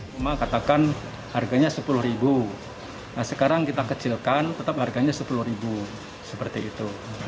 cuma katakan harganya sepuluh nah sekarang kita kecilkan tetap harganya sepuluh seperti itu